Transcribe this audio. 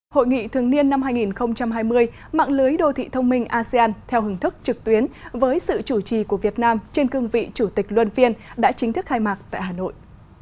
hội nghị thường niên năm hai nghìn hai mươi mạng lưới đô thị thông minh asean theo hình thức trực tuyến với sự chủ trì của việt nam trên cương vị chủ tịch luân phiên đã chính thức khai mạc tại hà nội